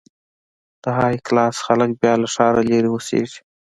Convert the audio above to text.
د های کلاس خلک بیا له ښاره لرې اوسېږي.